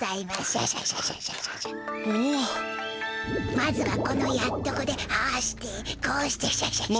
まずはこのやっとこでああしてこうしてウシャシャシャシャ。